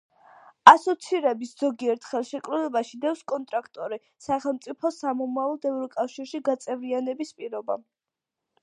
ასოცირების ზოგიერთ ხელშეკრულებაში დევს კონტრაქტორი სახელმწიფოს სამომავლოდ ევროკავშირში გაწევრიანების პირობა.